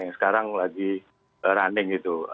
yang sekarang lagi running gitu